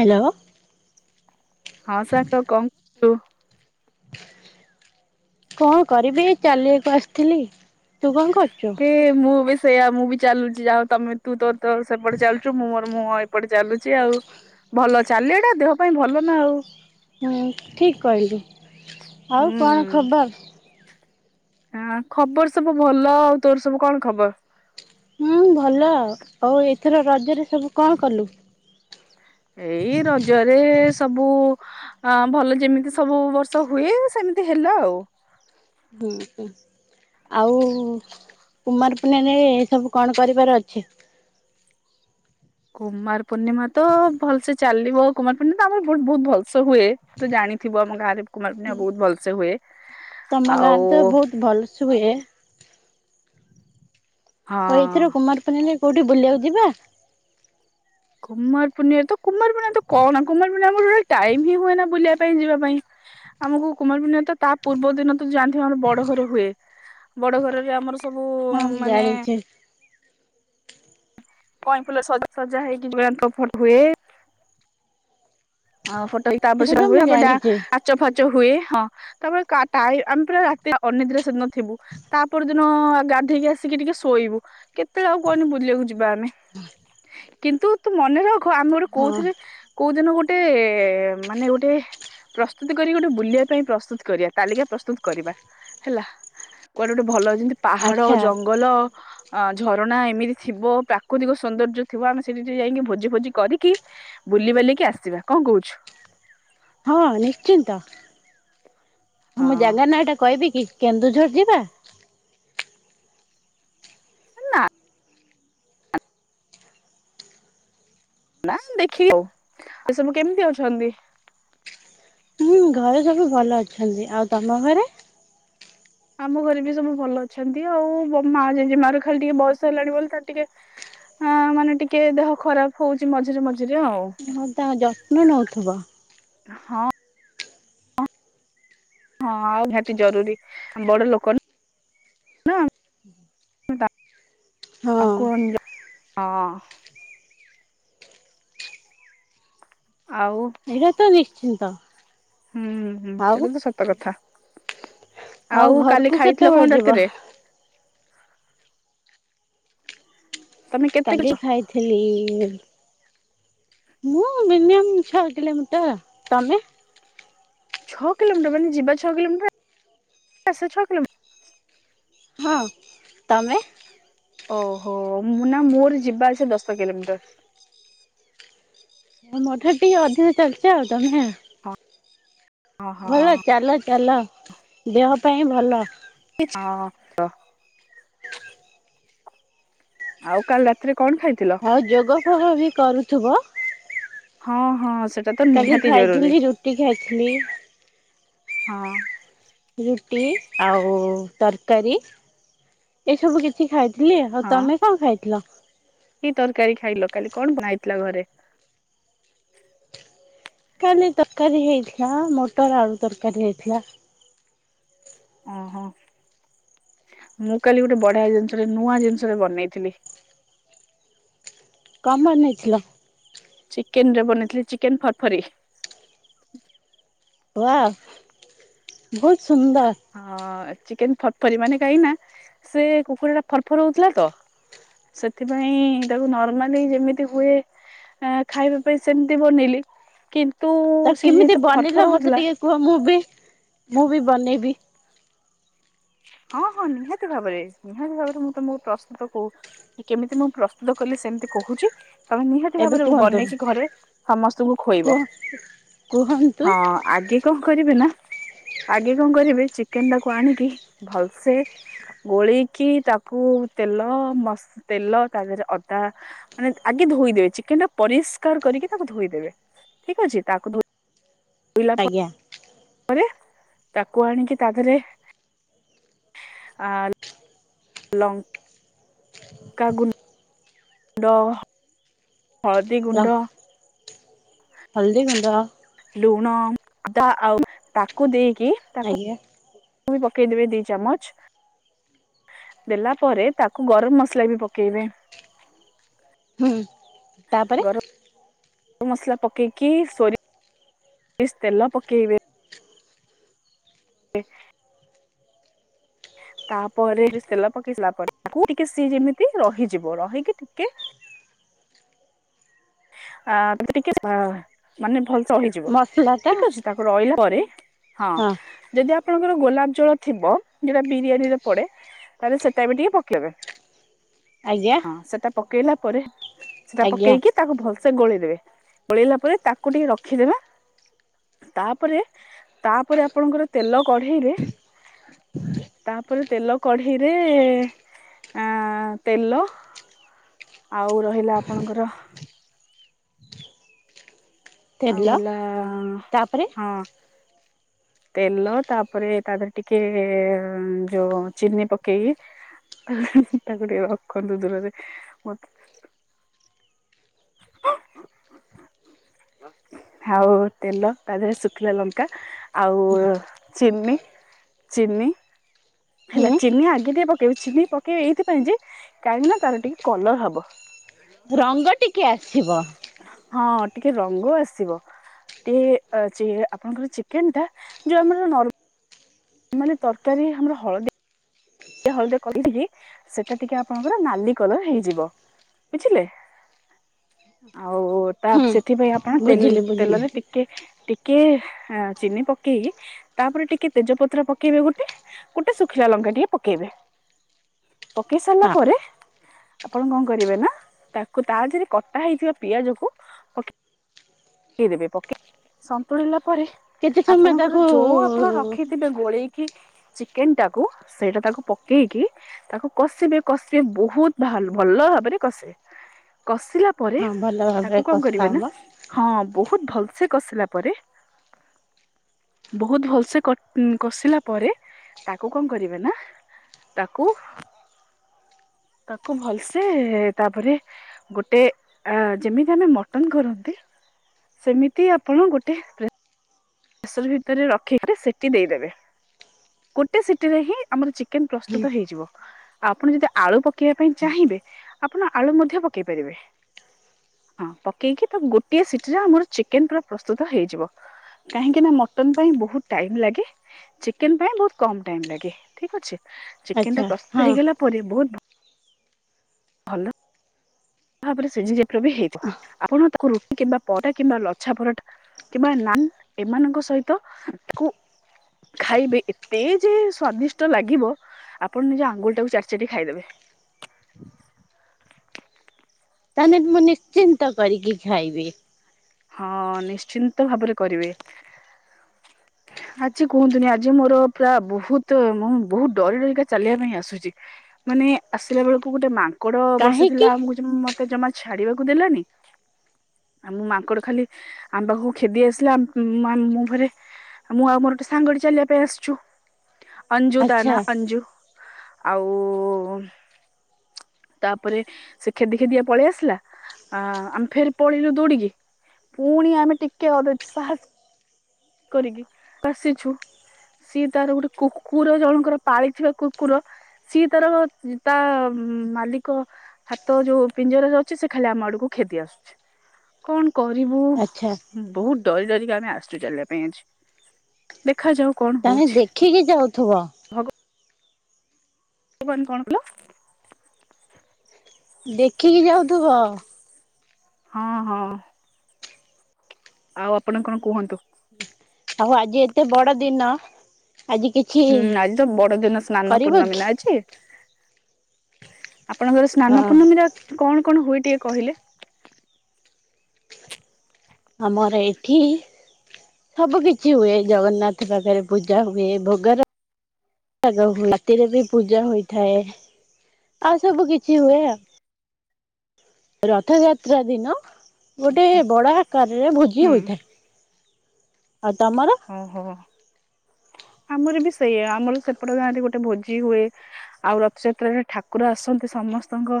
Hello. ହଁ ସାଙ୍ଗ କଣ ରୁ କଣ କରିବି ଏଇ ଚାଲିବାକୁ ଆସିଥିଲି। ତୁ କଣ କରୁଛୁ? ଏ ମୁଁ ବିସ୍ ସେଇୟା ମୁଁ ବି ଚାଲୁଚି ଯାହା ହଉ ତମେ ତୁ ତୋର ତୋର ସେପଟେ ଚାଲୁଚୁ ମୁଁ ମୋର ମୁଁ ହଁ ଏପଟେ ଚାଲୁଚି ଆଉ। ଭଲ ଚାଲିବା ଟା ଦେହ ପାଇଁ ଭଲ ନା ଆଉ। ହୁଁ ଠିକ କ [unintelligible] ଆଉ ହୁଁ କଣ ଖବର? ହଁ ଖବର ସବୁ ଭଲ ଆଉ ତୋର ସବୁ କଣ ଖବର? ହୁଁ ଭଲ ଆଉ ଆଉ ଏଥର ରଜରେ ସବୁ କଣ କଲୁ? ଏଇ ରଜରେ ସବୁ ହଁ ଭଲ ଯେମିତି ସବୁ ବର୍ଷ ହୁଏ ସେମିତି ହେଲା ଆଉ। ହୁଁ ହୁଁ। ଆଉ କୁମାର ପୂର୍ଣ୍ଣିମା ରେ ଏ ସବୁ କଣ କରିବାର ଅଛି? କୁମାର ପୂର୍ଣ୍ଣିମା ତ ଭଲସେ ଚାଲିବ କୁମାର ପୂର୍ଣ୍ଣିମା ଆମର ବହୁତୁ ବହୁତୁ ଭଲସେ ହୁଏ। ତୁ ତ ଜାଣିଥିବୁ ଆମ ଗାଁ ରେ କୁମାର ପୂର୍ଣ୍ଣିମା ବହୁତ ଭଲସେ ହୁଏ ଆଉ। ସୁୁଏ ଆଉ ହଁ ଏଇଥର କୁମାର ପୂର୍ଣ୍ଣମୀ ରେ କୋଉଠି ବୁଲିବାକୁ ଯିବା? କୁମାର ପୂର୍ଣ୍ଣିମା ତ କୁମାର ପୂର୍ଣ୍ଣିମା ତ କଣ ଆ କୁମାର ପୂର୍ଣ୍ଣିମା ଆମୁକୁ ଟୋଟାଲି ଟାଇମ ହିଁ ହୁଏ ନା ବୁଲିବା ପାଇଁ ଯିବା ପାଇଁ। ଆମୁକୁ କୁମାର ପୂର୍ଣ୍ଣିମା ତ ତା ପୂର୍ବ ଦିନ ତ ଯାଣିଥିବ ଆମର ବଡ ଘର ହୁଏ ବଡ ଘରରେ ଆମର ସବୁ ହଁ ମୁଁ ମାନେ ଜାଣିଛି କଇଁ ଫୁଲ ରେ ସଜା ସଜା ହେଇକି [unintelligible] ଫଟ ହୁଏ। ଆଉ ଫଟ ହେଇକି ତାପରେ ସେଟା ତ ସେଇଟା ହୁଏ ମୁଁ ତାପରେ ଜାଣିଛି [unintelligible] ଚ ଫାଚ ହୁଏ ହଁ ତାପରେ କା ତାଇ ଆମେ ପୁରା ରାତି ଅନିଦ୍ରା ସେଦିନ ଥିବୁ। ତା ପର ଦିନ ଗାଧେଇକି ଆସିକି ଟିକେ ଶୋଇବୁ କେତେବେଳେ ଆଉ କୁହନି ବୁଲିବାକୁ ଯିବା ଆମେ? କିନ୍ତୁ ତୁ ମନେ ରଖ ଆମେ ଗୋଟେ ହଁ କୋଉଥିରେ କୋଉ ଦିନ ଗୋ ମାନେ ଗୋଟେ ପ୍ରସ୍ତୁତି କରିକି ଗୋଟେ ବୁଲିବା ପାଇଁ ପ୍ରସ୍ତୁତ କରିବା ତାଲିକା ପ୍ରସ୍ତୁତ କରିବା ହେଲା। କୁଆଡେ ଗୋଟେ ଭଲ ଯେମିତି ପାହାଡ ଆଚ୍ଛା ଜଙ୍ଗଲ ଅ ଝରଣା ଏମିତି ଥିବ ପ୍ରାକୃତିକ ସୌନ୍ଦର୍ଯ୍ୟ ଥିବ ଆମେ ସେଠି ଟିକେ ଯାଇକି ଭୋଜି ଫୋଜି କରିକି ବୁଲିିବାଲିକି ଆସିବା କଣ କହୁଛୁ? ହଁ ନିଶ୍ଚିନ୍ତ ହଁ ମୁଁ ଜାଗା ନାଁଟା କଇବି କି କେନ୍ଦୁଝର ଯିବା? ନାଁ। ନା ଦେଖିକି ଆଉ ଆଉ ସବୁ କେମିତି ଅଛନ୍ତି? ହୁଁ ଘରେ ସବୁ ଭଲ ଅଛନ୍ତି ଆଉ ତମ ଘରେ? ଆମ ଘରେ ବି ସବୁ ଭଲ ଅଛନ୍ତି। ଆଉ ବ ମା ଜେଜେ ମା ର ଖାଲି ଟିକେ ବୟସ ହେଲାଣି ବୋଲି ତାର ଟିକେ ହଁ ମାନେ ଟିକେ ଦେହ ଖରାପ ହଉଚି ମଝିରେ ମଝିରେ ଆଉ। ହଁ ତା ଯତ୍ନ ନଉଥୁବ। ହଁ। ହଁ ଆଉ ନିହାତି ଜରୁରୀ। ବଡ ଲୋକ ନା। ହଁ ତାଙ୍କୁ ହଁ। ଆଉ। ଏଇଟା ତ ନିଶ୍ଚିନ୍ତ। ହୁଁ ହୁଁ ଆଉ ସେଇଟା ତ ସତ କଥା। ଆଉ କାଲି ଘରକୁ ଖାଇଥିଲ କେତେବେଳେ କଣ ଯିବ? ରାତିରେ? ତମେ କେତେ କିଛ କାଲି ଖାଇଥିଲି। ମୁଁ ମିନିମମ୍ ଛଅ କିଲୋମିଟର। ତମେ? ଛଅ କିଲୋମିଟର ମାନେ ଯିବା ଛଅ କିଲୋମିଟର ଆସିବା ଛଅ କିଲୋମିଟର। ହଁ। ତମେ? ଓହୋ ନା ମୋର ଯିବା ଆସିବା ଦଶ କିଲୋମିଟର। ମୋ ଠାରୁ ଟିକେ ଅଧିକା ଚାଲିଛ ଆଉ ତମେ। ଓହୋ ଭଲ ହଁ ଚାଲ ଚାଲ ଦେହ ପାଇଁ ଭଲ। ହଁ ତ। ଆଉ କାଲି ରାତିରେ କଣ ଖାଇଥିଲ? ଆଉ ଯୋଗ ଫୋଗ ବି କରୁଥିବ। ହଁ ହଁ ସେଟା ତ କାଲି ନିହାତି ଜରୁରୀ। ଖାଇଥିଲି ରୁଟି ଖାଇଥିଲି। ହଁ ରୁଟି ଆଉ ତରକାରୀ। ଏସବୁ କିଛି ଖାଇଥିଲି। ଆଉ ହଁ ତମେ କଣ ଖାଇଥିଲ? କି ତରକାରୀ ଖାଇଲ କାଲି? କଣ ବନା ହେଇଥିଲା ଘରେ? କାଲି ତରକାରୀ ହେଇଥିଲା। ମଟର ଆଳୁ ତରକାରୀ ହେଇଥିଲା। ହଁ ହଁ ମୁଁ କାଲି ଗୋଟେ ବଢିଆ ଜିନିଷରେ ନୂଆ ଜିନିଷରେ ବନେଇଥିଲି। କଣ ବନେଇଥିଲ? ଚିକେନରେ ବନେଇଥିଲି ଚିକେନ ଫରଫରି। ୱାଆ ବହୁତ ସୁନ୍ଦର। ହଁ ଚିକେନ ଫରଫରି ମାନେ କାହିଁକି ନା ସେ କୁକୁରା ଟା ଫରଫର ହଉଥିଲା ତ। ସେଥିପାଇଁ ତାକୁ ନର୍ମାଲି ଯେମିତି ହୁଏ ଆ ଖାଇବା ପାଇଁ ସେମିତି ବନେଇଲି। କିନ୍ତୁ ତ ସେ କେମିତି ଯେହେତୁ ବନେଇଲ ଫରଫର ମତେ ହଉଥିଲା ଟିକେ କୁହ? ମୁଁ ବି ମୁଁ ବି ବନେଇବି। ହଁ ହଁ ନିହାତି ଭାବରେ ନିହାତି ଭାବରେ ମୁଁ ତମକୁ ପ୍ରସ୍ତୁତ କୋ କି କେମିତି ମୁଁ ପ୍ରସ୍ତୁତ କଲି ସେମିତି କହୁଛି। ତମେ ନିହାତି ଏବେ ଭାବରେ କୁହନ୍ତୁ ବନେଇକି ଘରେ ସମସ୍ତଙ୍କୁ ଖୋଇବ। କୁହ କୁହନ୍ତୁ ହଁ। ଆଗେ କଣ କରିବେ ନା ଆଗେ କଣ କରିବେ ଚିକେନ ଟାକୁ ଆଣିକି ଭଲସେ ଗୋଳେଇକି ତାକୁ ତେଲ ମସ ତେଲ ତା ଦେହରେ ଅଦା ମାନେ ଆଗେ ଧୋଇଦେବେ। ଚିକେନ ଟା ପରିଷ୍କାର କରିକି ତାକୁ ଧୋଇଦେବେ। ଠିକ ଅଛି। ତାକୁ ଧୋଇ ଧୋଇଲା ଆଜ୍ଞା। ତାପରେ ତାକୁ ଆଣିକି ତା ଦେହରେ ଆ-ଆ-ଆ ଲଙ୍ଗ୍ ଲଙ୍କାଗୁ ଗୁଣ୍ଡ ହଳଦୀ ଲ ଗୁଣ୍ଡ ହଳଦୀ ଗୁଣ୍ଡ ଲୁଣ ଅଧା ଆଉ ତାକୁ ଦେଇକି। ଆଜ୍ଞା। ପୁଣି ପକେଇ ଦେବେ ଦି ଚାମଚ। ଦେଲା ପରେ ତାକୁ ଗରମ ମସଲା ବି ପକେଇବେ। ହୁଁ ତାପରେ। ଗରମ ମସଲା ପକେଇକି ସୋରି ସୋରିଷ ତେଲ ପକେଇବେ। ଏ। ତାପରେ ତେଲ ପକେଇ ସିଲା ପରେ ତାକୁ ଟିକେ ସିଏ ଯେମିତି ରହିଯିବ। ରହିକି ଟିକେ ଆ ଏମିତି ଟିକେ ମାନେ ଭଲସେ ରହିଯିବ। ମସଲା ଟା ଠିକ ଅଛି ତାକୁ ରହିଲା ପରେ ହଁ ଯଦି ଆ ଆପଣଙ୍କର ଗୋଲାପ ଜଳ ଥିବ। ଯଉଟା ବିରିୟାନୀରେ ପଡେ। ତାହେଲେ ସେଟା ବି ଟିକେ ପକେଇବେ। ଆଜ୍ଞା। ହଁ ସେଟା ପକେଇଲା ପରେ ସେଟା ଆଜ୍ଞା ପକେଇକି ତାକୁ ଭଲସେ ଗୋଳେଇ ଦେବେ। ଗୋଳେଇଲା ପରେ ତାକୁ ଟିକେ ରଖିଦେବେ। ତାପରେ ତାପରେ ଆପଣଙ୍କର ତେଲ କଢେଇରେ [inaudible] ତାପରେ ତେଲ କଢ଼େଇରେ ଆଁ ତେଲ ଆଉ ରହିଲା ଆପଣଙ୍କର ଆଉ ତେଲ ହେଲା-ଆ-ଆ-ଆ ତାପରେ ହଁ। ତେଲ ତାପରେ ତା ଦେହରେ ଟିକେ ଯୋଉ ଚିନି ପକେଇ। [unintelligible] ଆଉ ତେଲ ତା ଦେହରେ ଶୁଖ ଶୁଖିଲା ଲଙ୍କା ଆଉ ଚିନି ଚିନି। ହେଲା ହୁଁ ଚିନି ଆଗେ ଟିକେ ପକେଇବେ। ଚିନି ପକେଇବେ ଏଇଥିପାଇଁ ଯେ, କାହିଁକି ନା ତାର ଟିକେ କଲର ହବ। ରଙ୍ଗ ଟିକେ ଆସିବ। ହଁ ଟିକେ ରଙ୍ଗ ଆସିବ। ଟେ ଆ ଯେ ଆପଣଙ୍କର ଚିକେନ ଟା ଯୋଉ ଆମର ନର ମାନେ ତରକାରୀ ଆମର ହଳଦୀଆ। ହଳଦିଆ କରିଥିବି ସେଟା ଟିକେ ଆପଣଙ୍କର ନାଲି କଲର ହେଇଯିବ। ବୁଝିଲେ ଆଉ ତ ହୁଁ ସେଥିପାଇଁ ଆପଣ ତେ ବୁଝିଲି ବୁଝିଲି ତେଲରେ ଟିକ କେ ଟିକେ ଚିନି ପକେଇକି ତାପରେ ଟିକେ ତେଜପତ୍ର ପକେଇବେ ଗୋଟେ। ଗୋଟେ ଶୁଖିଲା ଲଙ୍କା ଟିଏ ପକେଇବେ। ପକେଇ ସାରିଲା ହଁ ପରେ। ଆପଣ କଣ କରିବେ ନା ତାକୁ ତା ଦିହରେ କଟା ହେଇଥିବା ପିଆଜକୁ ପକେଇ। ପକେଇଦେବେ ପକେଇ ସନ୍ତୁଳିଲା ପରେ କେତେ ସମୟ ଆପଣଙ୍କର ତାକୁ ଯୋଉ ଆପଣ ରଖି ଏବେ ଗୋଳେଇକି ଚିକେନ ଟାକୁ। ସେଇଟା ତାକୁ ପକେଇକି ତାକୁ କଷିବେ କଷିବେ ବହୁତ ଭା ଭଲ ଭାବରେ କଷିବେ। କଷିଲା ପରେ ହଁ ଭଲ ତାକୁ ଭାବରେ କଁ କଷା କରିବେ ନା। ହବ ହଁ ବହୁତ୍ ଭଲସେ କସିଲା ପରେ। ବହୁତ ଭଲ ସେ କଟ କସିଲା ପରେ ତାକୁ କଣ। କରିବେ ନା ତାକୁ। ତାକୁ ଭଲସେ ତାପରେ। ଗୋଟେ ଆ ଯେମିତି ଆମେ ମଟନ କରନ୍ତି। ସେମିତି ଆପଣ ଗୋଟେ ପ୍ରେ ପ୍ରେସର ଭିତରେ ରଖିକି ସିଟି ଦେଇ ଦେବେ, ଗୋଟେ ସିଟିରେ ହିଁ ଆମର ଚି କେମିତି ହୁଁ ପ୍ରସ୍ତୁତ ହେଇଯିବ। ଆପଣ ଯଦି ଆଳୁ ପକେଇବା ପାଇଁ ଚାହିଁବେ ଆପଣ ଆଳୁ ମଧ୍ୟ ପକେଇ ପାରିବେ। ହଁ, ପକେଇକି ତାକୁ ଗୋଟିଏ ସିଟିରେ ଆମର ଚିକେନ୍ ପୁରା ପ୍ରସ୍ତୁତ ହେଇଯିବ। କାହିଁକି ନା, ମଟନ ପାଇଁ ବହୁତ ଟାଇମ ଲାଗେ ଚିକେନ ପାଇଁ ବହୁତ କମ ଟାଇମ ଲାଗେ ଠିକ ଅଛି। ଚିକେନ ଟା ଆଚ୍ଛା ପ୍ରସ୍ତୁତ ହଁ ହେଇଗଲା ପରେ ବହୁତ ଭଲ। ଭାବରେ ସିଝି ବି ହେଇଥିବ ଆପଣ ତାକୁ ରୁଟି କିମ୍ବା ପରଟା କିମ୍ବା ଲଛା ପରଟା କିମ୍ବା ନାହିଁ ଏମାନଙ୍କ ସହିତ ଖାଇବେ ଏତେ ଯେ ସ୍ଵାଦିଷ୍ଟ ଲାଗିବ। ଆପଣ ନିଜ ଆଙ୍ଗୁଳି ଟାକୁ ଚାଟି ଚାଟି ଖାଇଦେବେ। ତାହେଲେ ମୁଁ ନିଶ୍ଚିନ୍ତ କରିକି ଖାଇବି। ହଁ ନିଶ୍ଚିନ୍ତ ଭାବରେ କରିବେ। ଆଜି କୁହନ୍ତୁନି ଆଜି ମୋର ପୁରା ବହୁତ ମୁଁ ବହୁତ ଡରି ଡରିକା ଚାଲିବା ପାଇଁ ଆସୁଚି। ମାନେ ଆସିଲା ବେଳକୁ ଗୋଟେ ମା ମାଙ୍କଡ କାହିଁକି ବସିଥିଲା ଆମକୁ ଯମ୍ ମତେ ଜମା ଛାଡିବାକୁ ଦେଲାନି ଆଉ ମୁଁ ମାଙ୍କଡ। ଖାଲି ଆମ ପାଖକୁ କ୍ଷେଦି ଆସିଲା ଆମ୍ ମୁଁ ଫେରେ। ଆ ମୁଁ ଆଉ ମୋର ସାଙ୍ଗଟେ ଚାଲିବା ପାଇଁ ଆସିଛୁ। ଅଞ୍ଜୁ ତା ଆଚ୍ଛା ନା ଅଞ୍ଜୁ ଆଉ। ତାପରେ ସେ ଖେଦି ଖେଦିକା ପଳେଇ ଆସିଲା। ଆ ଆମେ ଫେର ପଳେଇଲୁ ଦୌଡିକି। ପୁଣି ଆମେ ଟିକେ ଅଧେ ସାହସ। କରିକି ଆସିଛୁ। ସିଏ ତାର ଗୋଟେ କୁକୁର ଜଣଙ୍କର ପାଳିଥିବା କୁକୁର ସିଏ ତାର ତା ମାଲିକ ହାତ ଯୋଉ ପିଞ୍ଜରରା ରେ ଅଛି ସେ ଖାଲି ଆମ ଆଡକୁ ଖେଦି ଆସୁଛି। କଣ କରିବୁ ଆଚ୍ଛା ବହୁତ ଡରି ଡରିକି ଆମେ ଆସୁଛୁ ଜାଗା ପାଇଁ ଅଛି। ଦେଖାଯାଉ କଣ ହଉଛି। ଖିକି ଯାଉଥିବ। [unintelligible] କଣ କଲ? ଦେଖିକି ଯାଉଥିବ। ହଁ, ହଁ। ଆଉ ଆପଣ କଣ କୁହନ୍ତୁ? ଆଉ ଆଜି ଏତେ ବଡ ଦିନ ଆଜି କି ହୁଁ ଆଜି ତ ବଡଦିନ ସ୍ନାନ ପୂର୍ଣ୍ଣମୀ କି ନା ଆଜି। ଆପଣଙ୍କର ସ୍ନାନ ହଁ ପୂର୍ଣ୍ଣମୀରେ କଣ କଣ ହୁଏ ଟିକେ କହିଲେ? ଆମର ଏଇଠି ସବୁ କିିଛି ହୁଏ ଜଗନ୍ନାଥ ପାଖରେ ପୂଜା ହୁଏ। ଭୋଗ ରାଗ ହୁଏ ରାତିରେ ବି ପୂଜା ହୋଇଥାଏ ଆଉ ସବୁ କିଛି ହୁଏ ଆଉ। ରଥଯାତ୍ରା ଦିନ ଗୋଟେ ବଡ଼ ଆକାରରେ ଭୋଜି ହୁଁ। ହୋଇଥାଏ। ଆଉ ତମର? ଓହୋ! ଆମର ବି ସେଇଆ ଆମର ସେପଟ ଗାଁରେ ଗୋଟେ ଭୋଜି ହୁଏ। ଆଉ ରଥଯାତ୍ରାରେ ଠାକୁର ଆସନ୍ତି ସମସ୍ତଙ୍କ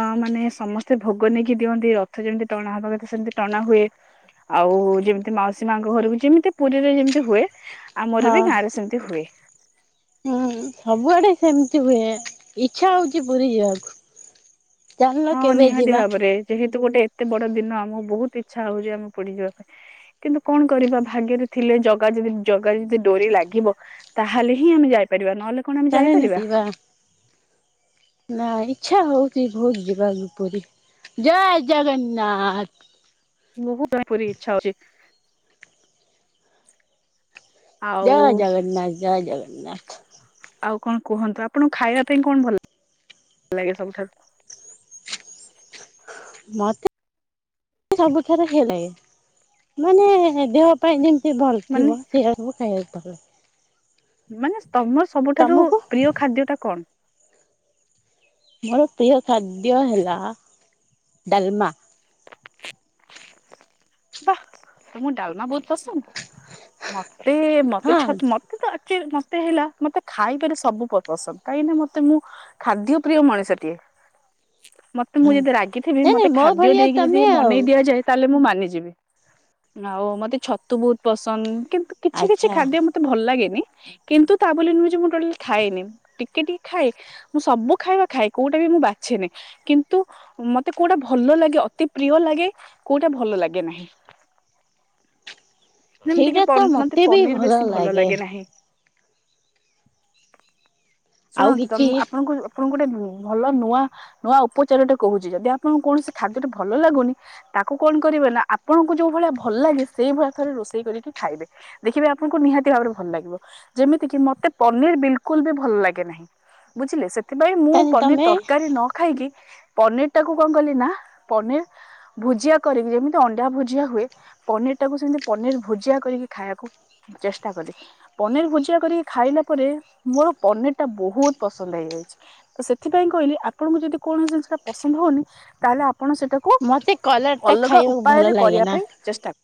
ଅ ମାନେ ସମସ୍ତେ ଭୋଗ ନେଇକି ଦିଅନ୍ତି ରଥ ଯେମିତି ଟଣା ହବା କଥା ସେମିତି ଟଣା ହୁଏ। ଆଉ ଯେମିତି ମାଉସୀ ମାଙ୍କ ଘରକୁ ଯେମିତି ପୁରୀରେ ଯେମିତି ହୁଏ ଆମର ବି ହଁ ଗାଁ ରେ ସେମିତି ହୁଏ। ହୁଁ, ସବୁଆଡେ ସେମିତି ହୁଏ ଇଚ୍ଛା ହଉଛି ପୁରୀ ଯିବାକୁ। ଚାଲୁନ ହଁ, କେବେ ନିହାତି ଯିବା ଭାବରେ ଯେହେତୁ ଗୋଟେ ଏତେ ବଡ ଦିନ ଆମକୁ ବହୁତ ଇଚ୍ଛା ହଉଛି ଆମେ ପୁରୀ ଯିବାକୁ। କିନ୍ତୁ କଣ କରିବା ଭାଗ୍ୟରେ ଥିଲେ ଜଗା ଯଦି ଜଗା ଯଦି ଡୋରି ଲାଗିବ। ତାହେଲେ ହିଁ ଆମେ ଯାଇପାରିବା ନହେଲେ କଣ ଆମେ ଯାଇପାରିବା [unintelligible] ନା, ଇଚ୍ଛା ହଉଛି ବହୁତ ଯିବାକୁ ପୁରୀ। ଜୟ ଜଗନ୍ନାଥ। ବହୁତ ପୁରୀ ଇଚ୍ଛା ହଉଛି। ଆଉ ଜୟ ଜଗନ୍ନାଥ। ଜୟ ଜଗନ୍ନାଥ। ଆଉ କଣ କୁହନ୍ତୁ ଆପଣଙ୍କୁ ଖାଇବା ପାଇଁ କଣ ଭଲ ଲାଗେ ସବୁଠାରୁ? ମତେ ସବୁଠାରୁ ହେଇଲାାଗେ ମାନେ ଦେହ ଦେହ ପାଇଁ ଜେମତି ଭଲ ମାନେ ଥିବ। ସେଇୟା କୁ ଖାଇବାକୁ ଭଲ ଲାଗେ। ମାନେ ତମର ସବୁଠାରୁ ତମକୁ? ପ୍ରିୟ ଖାଦ୍ୟ ଟା କଣ? ମୋର ପ୍ରିୟ ଖାଦ୍ୟ ହେଲା ଡାଲମା। ବାହ ତମଁ ଡାଲମା ବହୁତ ପସନ୍ଦ ମତେ ମତେ ହଁ ଛ ମତେ ତ ଆକଚୁଏଲି ମତେ ହେଲା ମତେ ଖାଇବାରେ ସବୁ ପସନ୍ଦ କାହିଁକିନା ମତେ ମୁଁ ଖାଦ୍ୟ ପ୍ରିୟ ମଣିଷଟିଏ ମତେ ମୁଁ ହଁ। ଯଦି ରାଗିଥିବି ନାଇଁ ନାଇଁ ମତେ ମୋ ଖାଦ୍ୟ ଭଳିଆ ଦେଇକି ଯଦି ତମେ ଆଉ ଯା ତାହେଲେ ମୁଁ ମାନିଯିବି ଆଉ ମତେ ଛତୁ ବହୁତ ପସନ୍ଦ କିନ୍ତୁ କିଛି କିଛି ଆଚ୍ଛା ଖାଦ୍ୟ ମତେ ଭଲ ଲାଗେନି। କିନ୍ତୁ ତା ବୋଲି ନୁହେଁ ଯେ ମୁ ଟୋଟାଲି ଖାଏନି ଟିକେ ଟିକେ ଖାଏ ମୁଁ ସବୁ ଖାଇବା ଖାଏ କୋଉଟା ବି ମୁଁ ବାଛେନି କିନ୍ତୁ ମତେ କୋଉଟା ଭଲ ଲାଗେ ଅତି ପ୍ରିୟ ଲାଗେ କୋଉଟା ଭଲ ଲାଗେ ନାହିଁ। ଯେମିତିକି ପ ମତେ ପନିର ବେଶୀ ଭଲ ଲାଗେ ନାହିଁ। ଆଉ ଶୁଣନ୍ତୁ ତମ କିଛି ମୁଁ ଆପଣଙ୍କୁ ଆପଣଙ୍କୁ ଗୋଟେ ଭଲ ନୂଆ ନୂଆ ଉପଚାରଟେ କହୁଛି ଯଦି ଆପଣଙ୍କୁ କୌଣସି ଖାଦ୍ୟଟେ ଭଲ ଲାଗୁନି ତାକୁ କଣ କରିବେ ନା ଆପଣଙ୍କୁ ଯୋଉ ଭଳିଆ ଭଲ ଲାଗେ ସେଇଭଳିଆ ଥରେ ରୋଷେଇ କରିକି ଖାଇବେ। ଦେଖିବେ ଆପଣଙ୍କୁ ନିହାତି ଭାବରେ ଭଲ ଲାଗିବ। ଯେମିତି କିି ମତେ ପନିର ବିଲକୁଲ ବି ଭଲ ଲାଗେ ନାହିଁ। ବୁଝିଲେ ସେଥିପାଇଁ ମୁଁ ତାହେଲେ ପନିର ତମେ ତରକାରୀ ନ ଖାଇକି ପନିର ଟାକୁ କଣ କଲି ନା ପନିର ଭୁଜିଆ କରିକି ଯେମିତି ଅଣ୍ଡା ଭୁଜିଆ ହୁଏ ପନିର ଟାକୁ ସେମିତି ପନିର ଭୋଜିଆ କରିକି ଖାଇବାକୁ ଚେଷ୍ଟା କଲି। ପନିର ଭୁଜିଆ କରିକି ଖାଇଲା ପରେ ମୋର ପନିର ଟା ବହୁତ ପସନ୍ଦ ହେଇଯାଇଛି। ତ ସେଥିପାଇଁ କହିଲି ଆପଣଙ୍କୁ ଯଦି କୌଣସି ଜିନିଷ ଟା ପସନ୍ଦ ହଉନି ତାହେଲେ ଆପଣ ସେଟାକୁ କୁ ମତେ କଲରା ଟା ଅଲଗା ଖାଇବାକୁ ଭଲ ଉପାୟରେ ଲାଗେ କରିବା ନା। ପାଇଁ ଚେଷ୍ଟା କର।